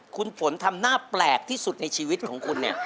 คุณฝนทำหน้าแปลกที่สุดในชีวิตของคุณเนี่ย